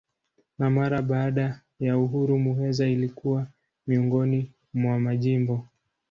Na mara baada ya uhuru Muheza ilikuwa miongoni mwa majimbo.